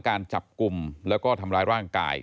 การจับกลุ่มแล้วก็ทำร้ายร่างกาย